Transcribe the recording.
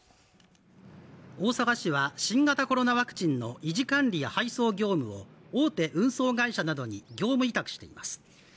大阪市は新型コロナワクチンの維持管理や配送業務を大手運送会社などに業務委託しています